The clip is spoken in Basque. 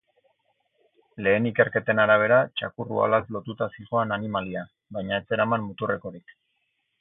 Lehen ikerketen arabera, txakur-uhalaz lotuta zihoan animalia, baina ez zeraman muturrekorik.